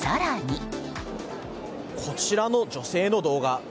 こちらの女性の動画。